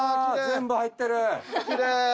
全部入ってる！